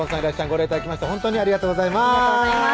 ご覧頂きましてほんとにありがとうございます